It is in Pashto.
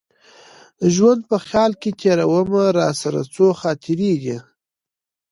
ژوند په خیال کي تېرومه راسره څو خاطرې دي